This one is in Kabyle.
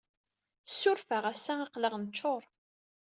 Ssuref-aɣ, ass-a aql-aɣ neččuṛ.